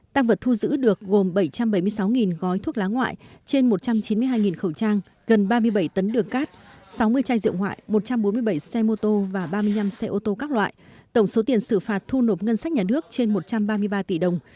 tăng vật thu giữ được gồm bảy trăm bảy mươi sáu gói thuốc lá ngoại trên một trăm chín mươi hai khẩu trang gần ba mươi bảy tấn đường cát sáu mươi chai rượu ngoại một trăm bốn mươi bảy xe mô tô và ba mươi năm xe ô tô các loại tổng số tiền xử phạt thu nộp ngân sách nhà nước trên một trăm ba mươi ba tỷ đồng